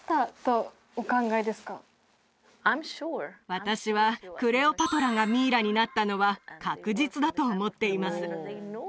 私はクレオパトラがミイラになったのは確実だと思っています